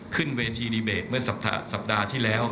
ขึ้นเวทีดีเบตเมื่อสัปดาห์ที่แล้ว